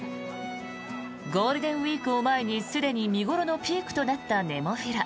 ゴールデンウィークを前にすでに見頃のピークとなったネモフィラ。